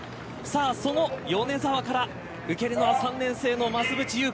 その米澤から受けるのは３年生の増渕祐香。